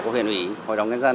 của huyện ủy hội đồng nhân dân